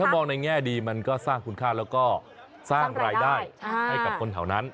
มองในแง่ดีมันก็สร้างคุณค่าแล้วก็สร้างรายได้ให้กับคนแถวนั้น